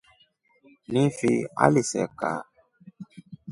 Ni fi aliseka.